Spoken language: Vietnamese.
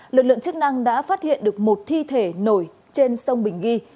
lực lượng chức năng đã phát hiện được một thi thể nổi trên sông bình ghi